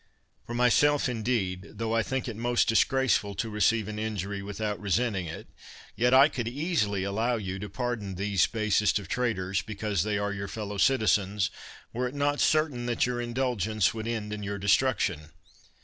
For myself, indeed, tho I think it most disgraceful to receive an injury without resenting it, yet I could easily allow you to par don these basest of traitors, because they are your fellow citizens, were it not certain that your indulgence would end in your destruction.